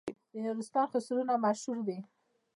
د نورستان خرسونه مشهور دي